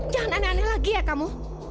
jangan aneh aneh lagi ya kamu